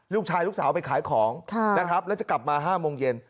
ลูกสาวลูกสาวไปขายของนะครับแล้วจะกลับมา๕โมงเย็น